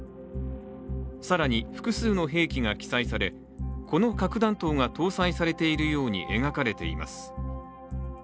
更に複数の兵器が記載されこの核弾頭が搭載されているように描かれています。